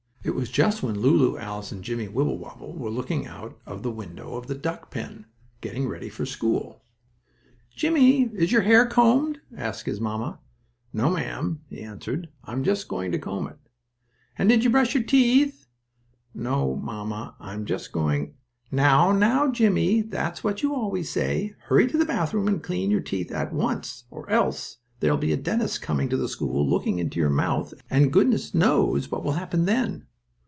It was just when Lulu and Alice and Jimmie Wibblewobble were looking out of the window of the duck pen, getting ready for school. "Jimmie, is your hair combed?" asked his mamma. "No, ma'am," he answered; "but I'm just going to comb it." "And did you brush your teeth?" "No, mamma, but I'm just going " "Now, now, Jimmie, that's what you always say. Hurry to the bathroom and clean your teeth at once, or else there'll be a dentist coming to the school looking into your mouth and goodness knows what will happen then.